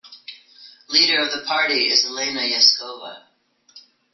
Leader of the party is Alena Yaskova.